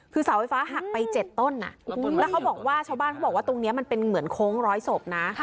คือเสาไฟฟ้าหักไป๗ต้นแล้วเขาบอกว่าชาวบ้านเขาบอกว่าตรงนี้มันเป็นเหมือนโค้งร้อยศพนะ